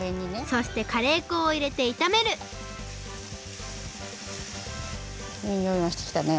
そしてカレーこをいれていためるいいにおいがしてきたね。